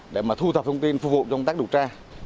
để mà thu thập thông tin phù hợp cho công tác đục tra